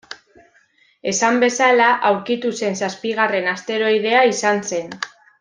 Esan bezala, aurkitu zen zazpigarren asteroidea izan zen.